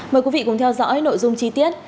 mời quý vị cùng theo dõi nội dung chi tiết